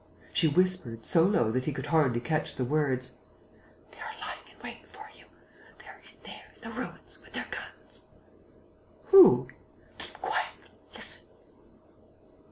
She whispered, so low that he could hardly catch the words: "They are lying in wait for you ... they are in there, in the ruins, with their guns...." "Who?" "Keep quiet.... Listen...."